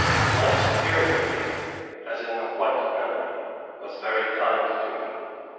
My Superior here, as in the White Nunnery, was very kind to me.